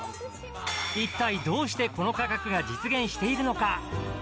一体どうしてこの価格が実現しているのか。